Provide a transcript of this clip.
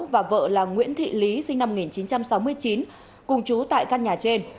và vợ là nguyễn thị lý sinh năm một nghìn chín trăm sáu mươi chín cùng chú tại căn nhà trên